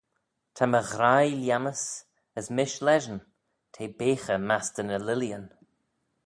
Ta my ghraih lhiam's, as mish leshyn: t'eh beaghey mastey ny lileeyn.